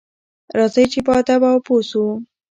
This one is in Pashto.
راځئ چې باادبه او پوه شو.